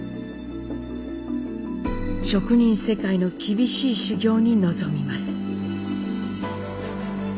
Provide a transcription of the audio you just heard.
職人世界の厳しい修業に臨みます。